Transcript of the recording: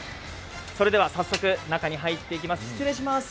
それでは早速、中に入っていきます